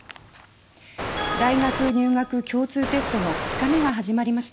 大学入学共通テストの２日目が始まりました。